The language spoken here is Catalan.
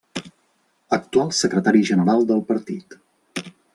Actual secretari general del Partit.